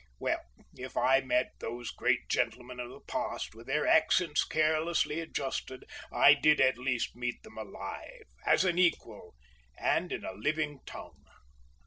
Well,—if I met those great gentlemen of the past with their accents carelessly adjusted I did at least meet them alive, as an equal, and in a living tongue.